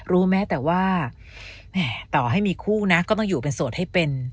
รู้แม้แต่ว่าต่อให้มีคู่นะก็ต้องอยู่เป็นโสดให้เป็น